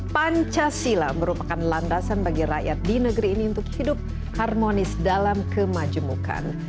pancasila merupakan landasan bagi rakyat di negeri ini untuk hidup harmonis dalam kemajemukan